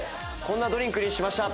こんなドリンクにしました！